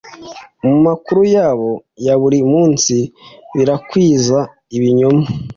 mu makuru yabo ya buri munsi birakwiza ibinyoma